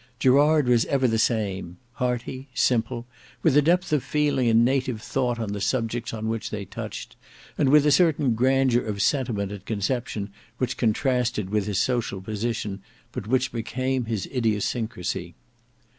Gerard was ever the same; hearty, simple, with a depth of feeling and native thought on the subjects on which they touched, and with a certain grandeur of sentiment and conception which contrasted with his social position, but which became his idiosyncracy.